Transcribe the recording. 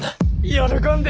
喜んで！